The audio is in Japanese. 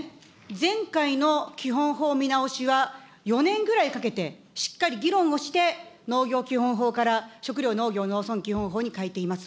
前回の基本法見直しは、４年ぐらいかけて、しっかり議論をして農業基本法から食料農業農村基本法に変えています。